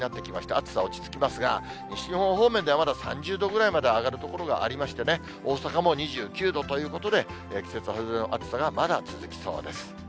暑さ落ち着きますが、西日本方面では、まだ３０度ぐらいまで上がる所がありましてね、大阪も２９度ということで、季節外れの暑さがまだ続きそうです。